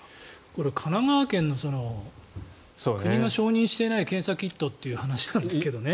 これ、神奈川県の国が承認していない検査キットという話なんですけどね。